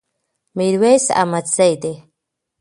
ميرويس احمدزي ده